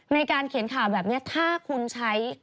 ในการเขียนข่าวแบบนี้ถ้าคุณใช้